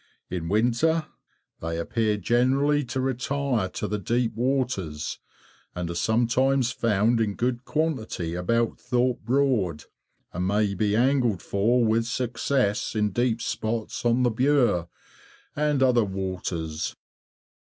In winter they appear generally to retire to the deep waters, and are sometimes found in good quantity about Thorpe Broad, and may be angled for with success in deep spots on the Bure and other waters.